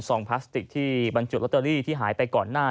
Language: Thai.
องพลาสติกที่บรรจุลอตเตอรี่ที่หายไปก่อนหน้า